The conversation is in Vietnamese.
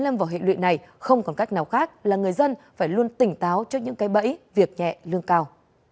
nói chung là người dân phải luôn tỉnh táo trước những cái bẫy việc nhẹ lương cao